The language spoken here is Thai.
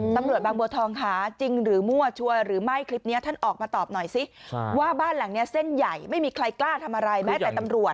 ตำรวจบางบัวทองค่ะจริงหรือมั่วช่วยหรือไม่คลิปนี้ท่านออกมาตอบหน่อยสิว่าบ้านหลังนี้เส้นใหญ่ไม่มีใครกล้าทำอะไรแม้แต่ตำรวจ